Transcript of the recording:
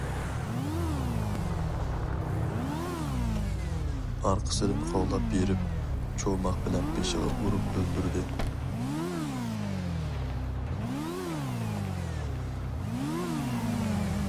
ئارقىسىدىن قوغلاپ بېرىپ چوماق بىلەن بېشىغا ئۇرۇپ ئۆلتۈردى.